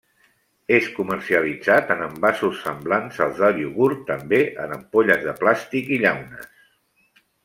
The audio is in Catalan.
És comercialitzat en envasos semblants als de iogurt, també en ampolles de plàstic i llaunes.